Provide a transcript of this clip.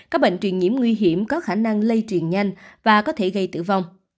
các bệnh truyền nhiễm nguy hiểm có khả năng lây truyền nhanh và có thể gây tử vong